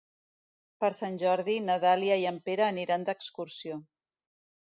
Per Sant Jordi na Dàlia i en Pere aniran d'excursió.